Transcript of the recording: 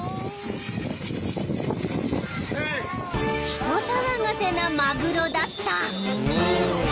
［人騒がせなマグロだった］